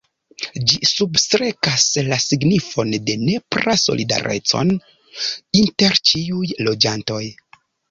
Ĝi substrekas la signifon de nepra solidareco inter ĉiuj loĝantoj.